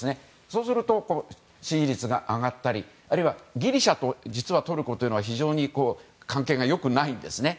そうすると、支持率が上がったりあとはギリシャと実はトルコというのは非常に関係が良くないんですね。